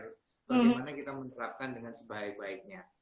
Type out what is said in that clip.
bagaimana kita menerapkan dengan sebaik baiknya